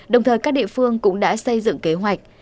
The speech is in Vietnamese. địa phương cũng đã xây dựng kế hoạch